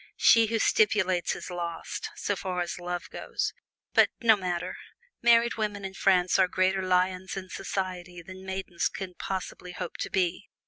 She who stipulates is lost, so far as love goes but no matter! Married women in France are greater lions in society than maidens can possibly hope to be.